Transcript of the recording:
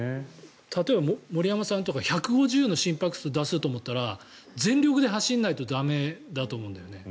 例えば、森山さんとか１５０の心拍を出そうとしたら全力で走らないと駄目だと思うんだよね。